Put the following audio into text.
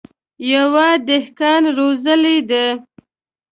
يوه دهقان روزلي دي.